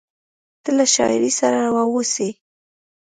ته له شاعري سره واوسې…